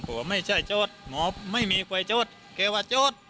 พ่อบอกว่าไม่ใช่ช็อตหมอไม่มีไฟช็อตเขาว่าช็อต